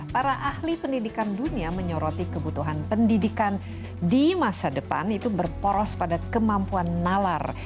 para ahli pendidikan dunia menyoroti kebutuhan pendidikan di masa depan itu berporos pada kemampuan nalar